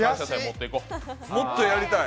もっとやりたい！